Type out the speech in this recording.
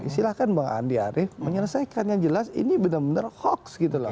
silahkan bang andi arief menyelesaikan yang jelas ini benar benar hoax gitu loh